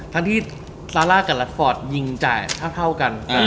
ทั้งที่ซาร่ากับรัฐฟอร์ตยิงจ่ายเท่ากัน